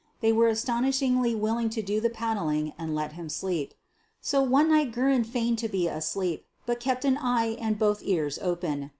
They were astonishingly willing to do the paddling and let him sleep. So one night Guerin feigned to be asleep but kept an eye and both ears open.